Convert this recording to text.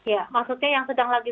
ya maksudnya yang sedang lagi